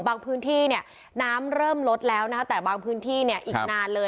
บางพื้นที่น้ำเริ่มลดแล้วแต่บางพื้นที่เนี่ยมันอีกนานเลย